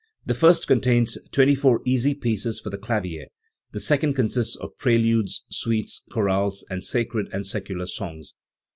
The first contains twenty four easy pieces for the clavier; the second consists of preludes, suites, chorales, and sacred and secular songs.